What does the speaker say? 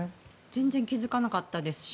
全然気付かなかったですし